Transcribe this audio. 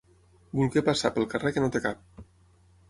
Voler passar pel carrer que no té cap.